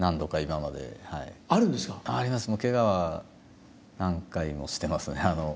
ケガは何回もしてますね。